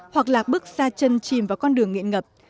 hoặc lạc bước xa chân chìm vào con đường nghiện ngập